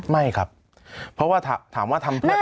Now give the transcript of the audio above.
ไม่ครับเพราะว่าถามว่าทำเพื่ออะไร